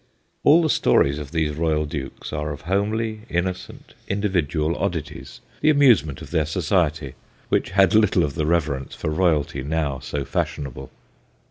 All the stories of these royal dukes are of homely, innocent, individual 132 THE GHOSTS OF PICCADILLY oddities, the amusement of their society, which had little of the reverence for royalty now so fashionable.